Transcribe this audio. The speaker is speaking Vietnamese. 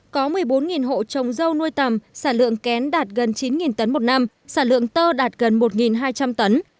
có một mươi bốn hộ trồng dâu nuôi tầm sản lượng kén đạt gần chín tấn một năm sản lượng tơ đạt gần một hai trăm linh tấn